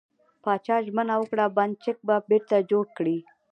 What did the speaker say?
پاچا ژمنه وکړه، بند چک به بېرته جوړ کړي .